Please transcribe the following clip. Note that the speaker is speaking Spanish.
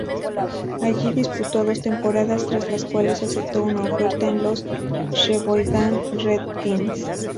Allí disputó dos temporadas, tras las cuales aceptó una oferta de los Sheboygan Redskins.